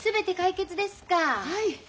はい。